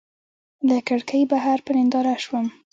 له کړکۍ بهر په ننداره شوم.